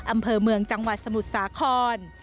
อำเภอเมืองจังหวัดสมุทรสาคร